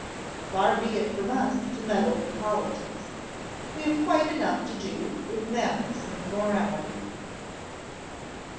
Far be it from us to meddle with politics we have quite enough to do with manners and morality.